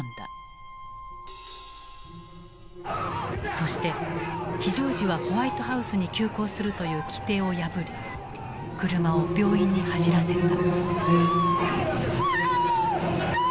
そして非常時はホワイトハウスに急行するという規定を破り車を病院に走らせた。